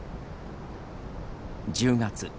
１０月。